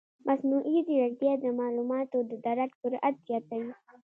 مصنوعي ځیرکتیا د معلوماتو د درک سرعت زیاتوي.